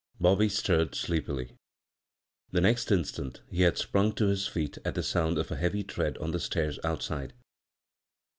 Bobby stirred sleepily. The next instant he had sprung to his feet at the sound <A a heavy tread on the stairs outside.